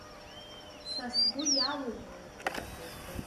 Са сгәы иалоуп!